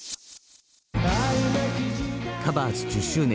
「ＴｈｅＣｏｖｅｒｓ」１０周年